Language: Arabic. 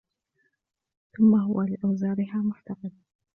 ثُمَّ هُوَ لِأَوْزَارِهَا مُحْتَقِبٌ